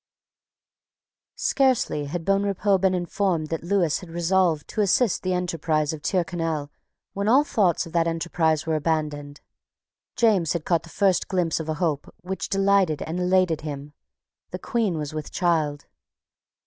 Scarcely had Bonrepaux been informed that Lewis had resolved to assist the enterprise of Tyrconnel when all thoughts of that enterprise were abandoned. James had caught the first glimpse of a hope which delighted and elated him. The Queen was with child.